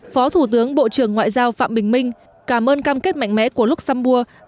phó thủ tướng bộ trưởng ngoại giao phạm bình minh cảm ơn cam kết mạnh mẽ của luxembourg